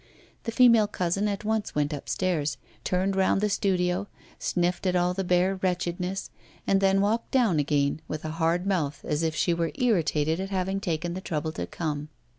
The female cousin at once went upstairs, turned round the studio, sniffed at all the bare wretchedness, and then walked down again, with a hard mouth, as if she were irritated at having taken the trouble to come.